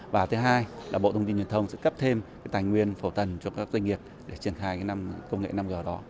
và thứ hai là bộ thông tin truyền thông sẽ cấp thêm tài nguyên phổ tần cho các doanh nghiệp để triển khai năm công nghệ năm g đó